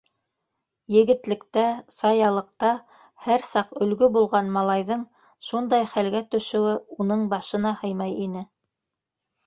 Егетлектә, саялыҡта һәр саҡ өлгө булған малайҙың шундай хәлгә төшөүе уның башына һыймай ине.